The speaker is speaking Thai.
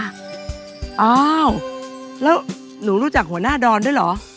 อ้าวแล้วหนูรู้จักหัวหน้าดอนด้วยเหรอ